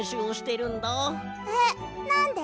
えっなんで？